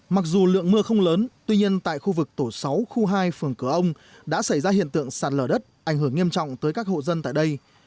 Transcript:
mặc dù lượng mưa không lớn tuy nhiên tại khu vực tổ sáu khu hai phường cửa ông đã xảy ra hiện tượng sạt lở đất ảnh hưởng nghiêm trọng tới các hộ dân tại đây